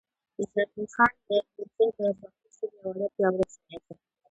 زرغون خان نورزى د پښتو ژبـي او ادب پياوړی شاعر دﺉ.